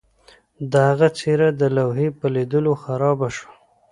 د هغه څیره د لوحې په لیدلو خرابه شوه